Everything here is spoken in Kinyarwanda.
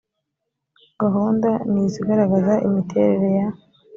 gahunda n izigaragaza imiterere ya